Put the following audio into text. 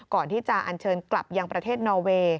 ก่อนที่จะอันเชิญกลับยังประเทศนอเวย์